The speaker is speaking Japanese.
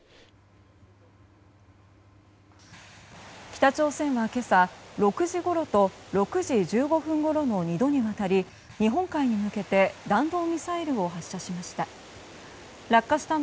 北朝鮮は今朝６時ごろと６時１５分ごろの２度にわたり、日本海に向けて弾道ミサイルを発射しました。